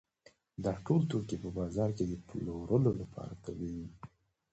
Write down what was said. دا ټول توکي په بازار کې د پلورلو لپاره تولیدېږي